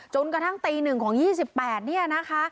จนกระทั่งตี๑ของ๒๘เนี่ยนะคะ